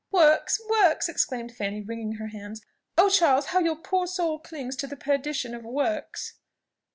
"Works! works!" exclaimed Fanny, wringing her hands. "Oh, Charles! how your poor soul clings to the perdition of works!"